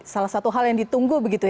salah satu hal yang ditunggu begitu ya